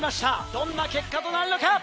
どんな結果となるのか？